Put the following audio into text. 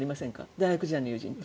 大学時代の友人って。